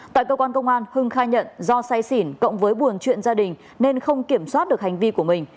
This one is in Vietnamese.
tại cơ quan công an hưng khai nhận do say xỉn cộng với buồn chuyện gia đình nên không kiểm soát được hành vi của mình